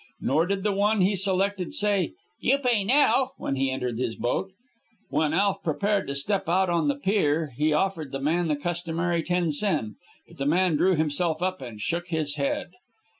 Nor did the one he selected say, "You pay now," when he entered his boat. "When Alf prepared to step out on to the pier, he offered the man the customary ten sen. But the man drew himself up and shook his head.